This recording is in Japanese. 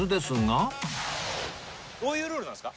どういうルールなんですか？